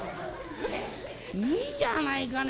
『いいじゃないかね。